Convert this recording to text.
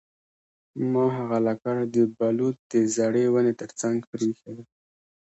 ما هغه لکړه د بلوط د زړې ونې ترڅنګ پریښې ده